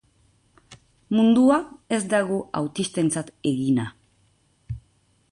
Mundua ez dago autistentzat egina.